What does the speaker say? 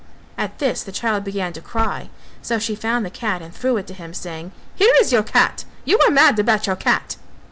At this the child began to cry; so she found the cat and threw it to him, saying, "Here is your cat: you are mad about your cat."